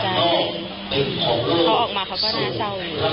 เขาออกมาเขาก็น่าเศร้าอยู่